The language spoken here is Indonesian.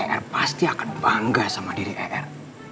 r pasti akan bangga sama diri er